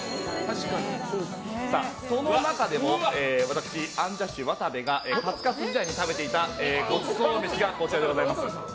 その中でも私アンジャッシュ渡部がカツカツ時代に食べていたご褒美飯がこちらです。